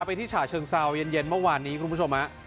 ที่ฉะเชิงเซาเย็นเมื่อวานนี้คุณผู้ชมฮะ